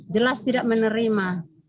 jelas tidak menerima